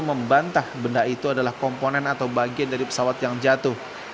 membantah benda itu adalah komponen atau bagian dari pesawat yang jatuh